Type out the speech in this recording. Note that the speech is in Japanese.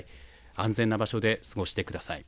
安全な場所で過ごしてください。